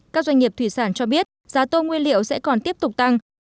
các doanh nghiệp thủy sản cho biết giá tôm nguyên liệu sẽ còn tiếp tục tăng